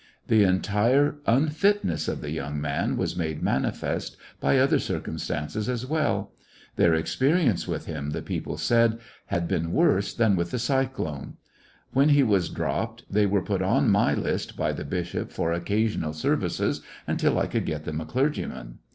The entire unfitness of the young man was made manifest by other circumstances as well. Their experience with him, the people said, had been worse than with the cyclone. When he was dropped, they were put on my list by 69 A poser Success in the end ^collections of a the bishop for occasional services until I could get them a clergyman.